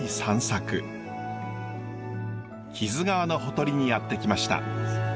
木津川のほとりにやって来ました。